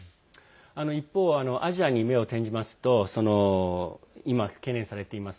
一方アジアに目を転じますと今、懸念されています